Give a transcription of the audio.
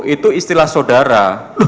itu istilah saudara